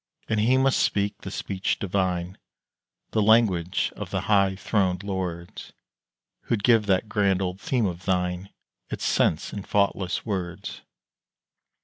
And he must speak the speech divine The language of the high throned lords Who'd give that grand old theme of thine Its sense in faultless words.